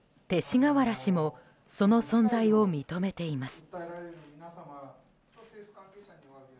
勅使河原氏もその存在を認めています。